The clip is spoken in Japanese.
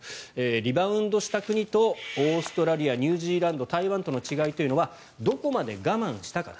リバウンドした国とオーストラリアニュージーランド台湾との違いというのはどこまで我慢したかだ。